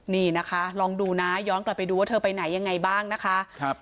นี่นะคะลองดูนะย้อนกลับไปดูว่าเธอไปไหนยังไงบ้างนะคะ